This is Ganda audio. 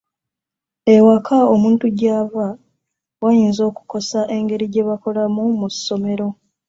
Ewaka omuntu gy'ava gayinza okukosa engeri gye bakolamu mu ssomero.